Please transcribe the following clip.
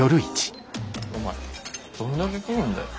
お前どんだけ食うんだよ。